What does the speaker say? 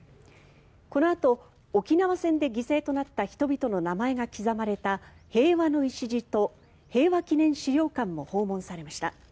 このあと、沖縄戦で犠牲となった人々の名前が刻まれた平和の礎と、平和祈念資料館も訪問されました。